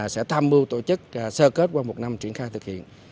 sẽ tham mưu tổ chức sơ kết qua một năm triển khai thực hiện